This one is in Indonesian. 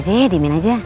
udah deh diamin aja